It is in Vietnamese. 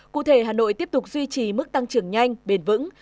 cụ thể hà nội tiếp tục duy trì mức tăng trưởng nhanh bền vững